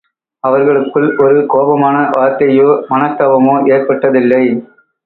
அவர்களுக்குள் ஒரு கோபமான வார்த்தையோ, மனஸ்தாபமோ ஏற்பட்டதில்லை.